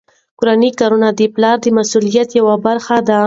کورني کارونه د پلار د مسؤلیت یوه برخه ده.